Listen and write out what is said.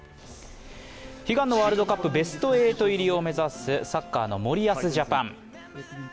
悲願のワールドカップ・ベスト８入りを目指すサッカーの森保ジャパン。